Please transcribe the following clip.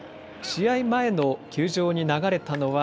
試合前の球場に流れたのは。